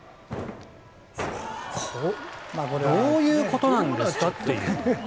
どういうことなんですか？という。